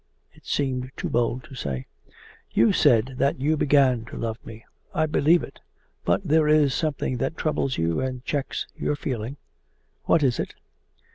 It seemed too bold to say. 'You said that you began to love me. I believe it but there is something that troubles you and checks your feeling. What is it?